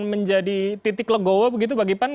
menjadi titik legowo begitu bagaimana